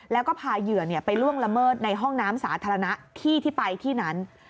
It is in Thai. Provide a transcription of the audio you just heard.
แล้วก็พาเหยื่อไปล่วงละเมิดในห้องน้ำสาธารณะที่ที่ไปที่นั้น